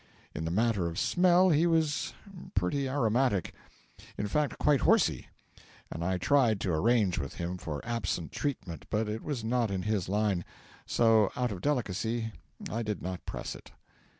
In the matter of smell he was pretty aromatic, in fact quite horsey, and I tried to arrange with him for absent treatment, but it was not in his line, so out of delicacy I did not press it.